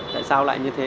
tại sao lại như thế